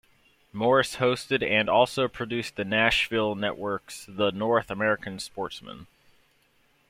Morris hosted and also produced the Nashville network's The North American Sportsman.